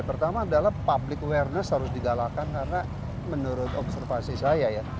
pertama adalah public awareness harus digalakan karena menurut observasi saya ya